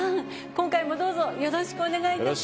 今回もどうぞよろしくお願い致します。